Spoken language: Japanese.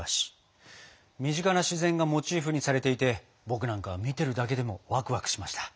身近な自然がモチーフにされていて僕なんかは見てるだけでもワクワクしました。